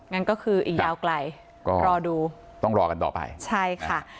งั้นก็คืออีกยาวไกลก็รอดูต้องรอกันต่อไปใช่ค่ะ